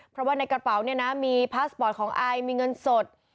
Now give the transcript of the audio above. เพราะว่าในกระเป๋าเนี่ยนะมีพาสปอร์ตของไอมีเงินสด